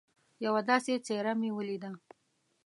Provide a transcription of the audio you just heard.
یوه داسي څهره مې ولیده